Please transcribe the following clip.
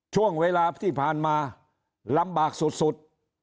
ช่วงเวลาที่ผ่านมาลำบากสุด